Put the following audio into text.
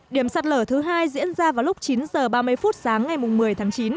điểm sạt lở thứ hai diễn ra vào lúc chín h ba mươi phút sáng ngày một mươi tháng chín